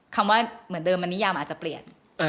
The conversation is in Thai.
คำว่าเหมือนเดิมมันนิยามอาจจะเปลี่ยน